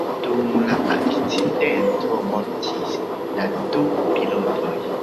Dum la akcidento mortis la du pilotoj.